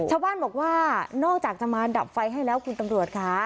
ชาวบ้านบอกว่านอกจากจะมาดับไฟให้แล้วคุณตำรวจค่ะ